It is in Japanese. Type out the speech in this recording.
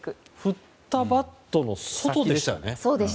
振ったバットの外でしたよね。